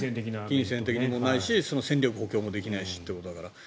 金銭的にもないし戦力補強もできないしということだから。